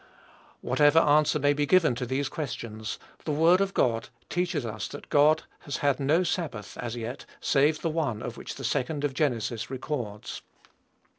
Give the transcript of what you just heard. Whatever answer may be given to these questions, the word of God teaches us that God has had no sabbath, as yet, save the one which the 2d of Genesis records.